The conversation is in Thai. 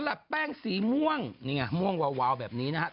แต่ละแป้งสีม่วงม่วงวาวแบบนี้นะครับ